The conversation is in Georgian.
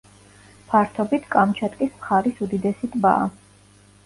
ფართობით კამჩატკის მხარის უდიდესი ტბაა.